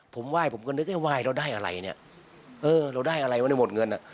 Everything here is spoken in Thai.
ผมว่ายผมก็นึกว่าเราได้อะไรนี่